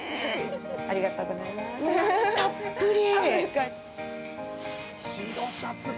うまみたっぷり。